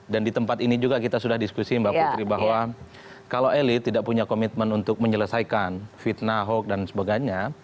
dan di tempat ini juga kita sudah diskusi mbak putri bahwa kalau elit tidak punya komitmen untuk menyelesaikan fitnah hok dan sebagainya